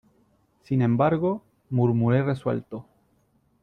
sin embargo , murmuré resuelto :